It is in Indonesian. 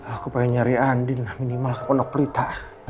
aku pengen nyari andin minimal keponok pelita